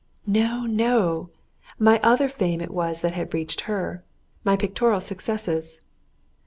No, no! My other fame it was that had reached her my pictorial successes.